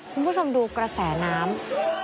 คุณผู้ชมดูกระแสน้ำ